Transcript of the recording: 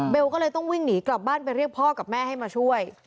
ก็เลยต้องวิ่งหนีกลับบ้านไปเรียกพ่อกับแม่ให้มาช่วย